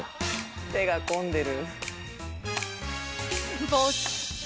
手が込んでる。